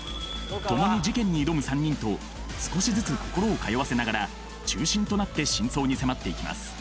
共に事件に挑む３人と少しずつ心を通わせながら中心となって真相に迫っていきます